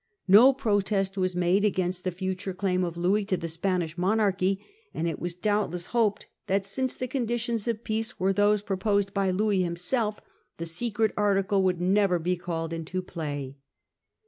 No protest was made against the future claim of Louis to the Spanish monarchy, and it was doubtless hoped that since the conditions of peace were those pro posed by Louis himself, the secret article would never be called into play.